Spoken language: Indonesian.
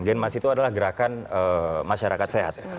genmas itu adalah gerakan masyarakat sehat